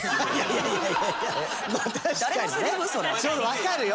わかるよ。